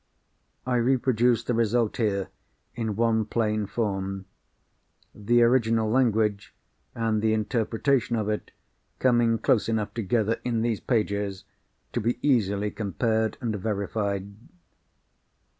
I reproduce the result here, in one plain form; the original language and the interpretation of it coming close enough together in these pages to be easily compared and verified.